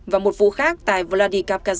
và một vụ khác tại vladikavkaz